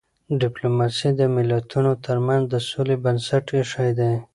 ډيپلوماسي د ملتونو ترمنځ د سولي بنسټ ایښی دی.